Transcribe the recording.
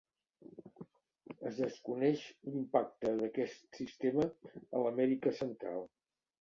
Es desconeix l'impacte d'aquest sistema a l'Amèrica Central.